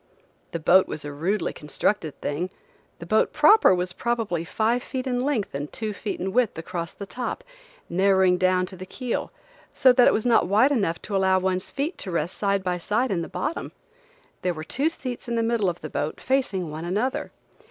The boat was a rudely constructed thing. The boat proper was probably five feet in length and two feet in width across the top, narrowing down to the keel, so that it was not wide enough to allow one's feet to rest side by side in the bottom. There were two seats in the middle of the boat facing one another.